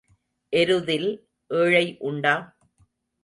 எருதில் ஏழை உண்டா?